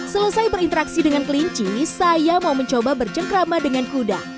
selesai berinteraksi dengan kelinci saya mau mencoba bercengkrama dengan kuda